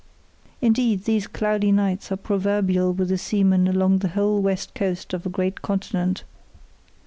Indeed, these cloudy nights are proverbial with the seamen along the whole west coast of a great continent.